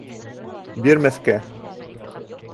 — Бирмәҫкә!